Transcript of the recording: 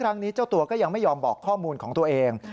เจ้านี้เจ้าตัวก็ยังไม่ยอมบอกข้อมูลของตัวเอง